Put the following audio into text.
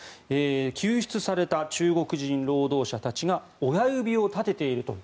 救出された中国人労働者たちが親指を立てていると。